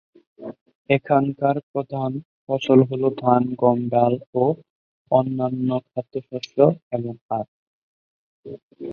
এখানকার প্রধান ফসল হল ধান, গম, ডাল ও অন্যান্য খাদ্যশস্য এবং আখ।